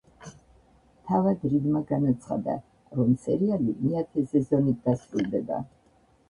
თავად რიდმა განაცხადა, რომ სერიალი მეათე სეზონით დასრულდება.